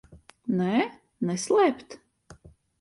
Nē? Neslēpt?